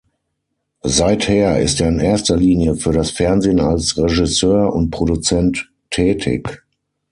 Seither ist er in erster Linie für das Fernsehen als Regisseur und Produzent tätig.